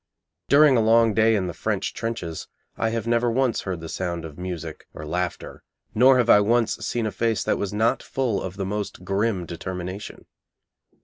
During a long day in the French trenches, I have never once heard the sound of music or laughter, nor have I once seen a face that was not full of the most grim determination.